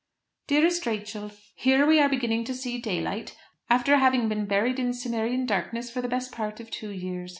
DEAREST RACHEL, Here we are beginning to see daylight, after having been buried in Cimmerian darkness for the best part of two years.